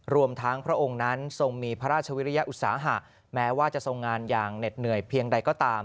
รวมทั้งพระองค์นั้นทรงมีพระราชวิริยอุตสาหะแม้ว่าจะทรงงานอย่างเหน็ดเหนื่อยเพียงใดก็ตาม